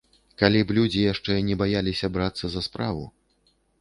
Калі б людзі яшчэ не баяліся брацца за справу.